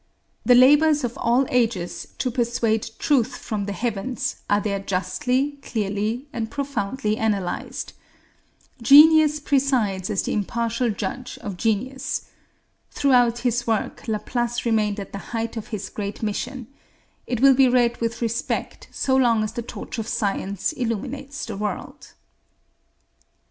The labors of all ages to persuade truth from the heavens are there justly, clearly, and profoundly analyzed. Genius presides as the impartial judge of genius. Throughout his work Laplace remained at the height of his great mission. It will be read with respect so long as the torch of science illuminates the world.